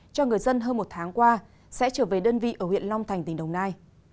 cho người dân hơn một tháng qua sẽ trở về đơn vị ở huyện long thành tỉnh đồng nai